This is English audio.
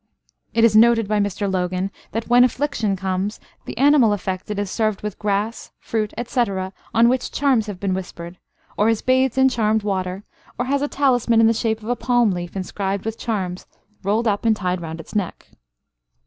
It is noted by Mr Logan that "when affliction comes, the animal affected is served with grass, fruit, etc., on which charms have been whispered, or is bathed in charmed water, or has a talisman in the shape of a palm leaf inscribed with charms rolled up and tied round its neck."